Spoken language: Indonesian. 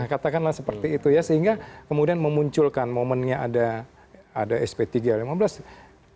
katakanlah seperti itu ya sehingga kemudian memunculkan momennya ada sp tiga s lima belas